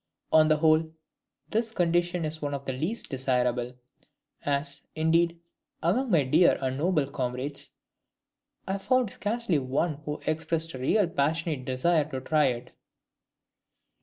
On the whole, this condition is one of the least desirable; as, indeed, among my dear and noble comrades, I found scarcely one who expressed a really passionate desire to try it."